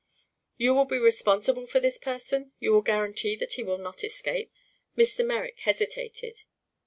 "You will be responsible for his person? You will guarantee that he will not escape?" Mr. Merrick hesitated.